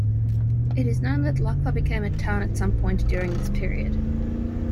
It is known that Lakhva became a town at some point during this period.